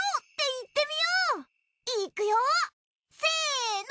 いくよせの！